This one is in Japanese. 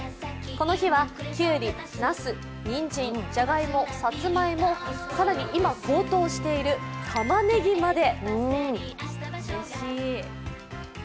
この日はキュウリ、なす、にんじん、じゃがいも、さつまいも、更に今高騰しているたまねぎまで。